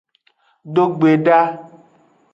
Dogbedaa.